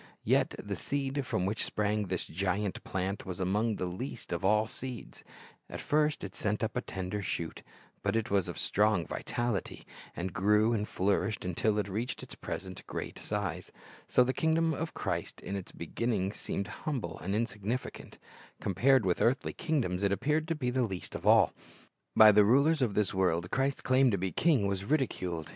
Yet the seed from which sprang this giant plant was among the least of all seeds. At first it sent up a tender shoot; but it was of strong vitality, and grew and flourished until it reached its present great size. So the kingdom of Christ in its beginning seemed humble and insignificant. Compared with earthly kingdoms it appeared to be the least of all. By the rulers of this world Christ's claim to be a king was ridiculed.